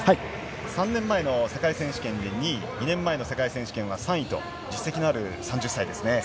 ３年目の世界選手権２位、２年前の世界選手権は３位と実績のある３０歳ですね。